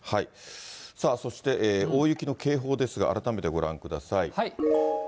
さあ、そして大雪の警報ですが、改めてご覧ください。